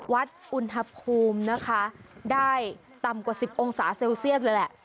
วัดอุณหภูมินะคะได้ต่ำกว่า๑๐องศาเซลเซียสเลยแหละ